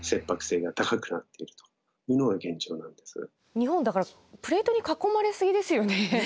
日本だからプレートに囲まれすぎですよね。